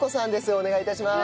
お願い致します。